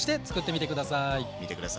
みてください！